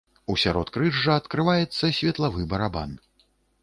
У сяродкрыжжа адкрываецца светлавы барабан.